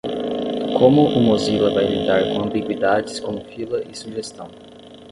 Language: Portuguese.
Como o Mozilla vai lidar com ambiguidades como fila e sugestão?